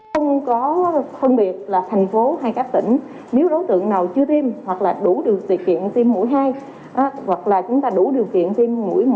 không có phân biệt là thành phố hay các tỉnh nếu đối tượng nào chưa tiêm hoặc là đủ điều kiện tiêm mũi hai